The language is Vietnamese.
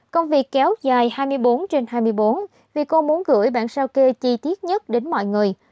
công việc kéo dài hai mươi bốn trên hai mươi bốn vì cô muốn gửi bản sao kê chi tiết nhất đến mọi người